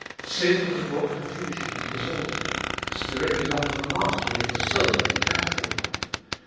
Sin has brought confusion and disorder ; the spirit is under the mastery of the soul, the natural life.